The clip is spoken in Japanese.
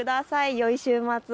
よい週末を。